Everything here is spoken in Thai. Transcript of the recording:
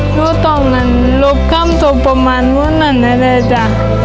หนูต้องมันลบข้ำตกประมาณนั้นแล้วจ้ะ